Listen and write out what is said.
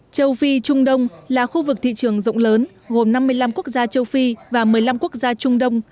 châu phi trung đông là khu vực thị trường rộng lớn gồm năm mươi năm quốc gia châu phi và một mươi năm quốc gia trung đông